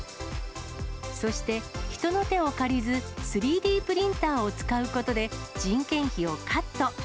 そして、人の手を借りず、３Ｄプリンターを使うことで、人件費をカット。